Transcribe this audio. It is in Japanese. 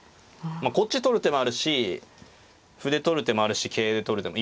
こっち取る手もあるし歩で取る手もあるし桂で取る手も。